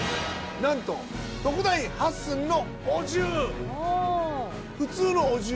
なんと特大８寸のお重。